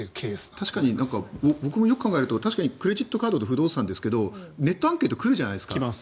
確かに僕もよく考えるとクレジットカードと不動産ですけどネットアンケート来るじゃないですか。